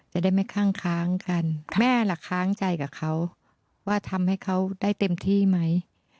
จะได้ไม่คั่งค้างกันแม่ล่ะค้างใจกับเขาว่าทำให้เขาได้เต็มที่ไหม